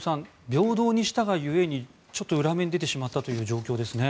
平等にしたが故にちょっと裏目に出てしまったという状況ですね。